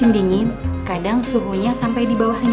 masih lama takut